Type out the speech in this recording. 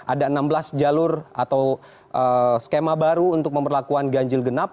ada enam belas jalur atau skema baru untuk memperlakukan ganjil genap